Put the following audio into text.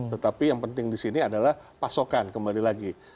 tetapi yang penting di sini adalah pasokan kembali lagi